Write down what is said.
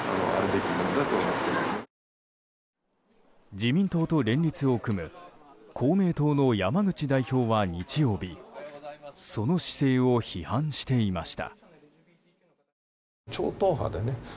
自民党と連立を組む公明党の山口代表は日曜日その姿勢を批判していました。